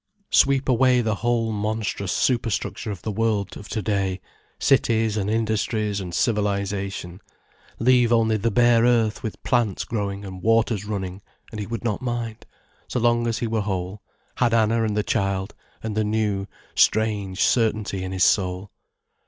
Sweep away the whole monstrous superstructure of the world of to day, cities and industries and civilization, leave only the bare earth with plants growing and waters running, and he would not mind, so long as he were whole, had Anna and the child and the new, strange certainty in his soul.